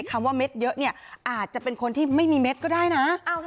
คำว่าเม็ดเยอะเนี่ยอาจจะเป็นคนที่ไม่มีเม็ดก็ได้นะ